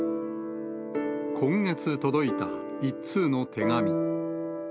今月届いた一通の手紙。